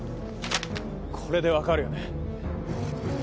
これで分かるよね？